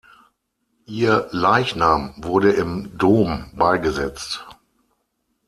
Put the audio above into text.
Ihr Leichnam wurde im Dom beigesetzt.